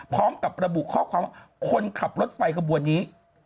พร้อมกับระบุข้อความว่าคนขับรถไฟขบวนนี้